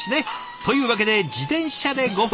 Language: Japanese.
というわけで自転車で５分。